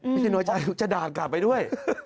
ไม่ใช่น้อยใจจะด่ากลับไปด้วย